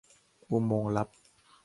"อุโมงค์ลับ"